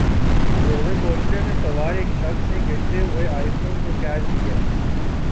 roller کوسٹرمیں سوار ایک شخص نے گرتے ہوئے آئی فون کو کیچ کیا